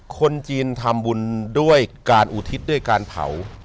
คนจีนทำบุญด้วยการอุทิศด้วยการเผา